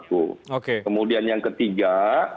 kemudian yang ketiga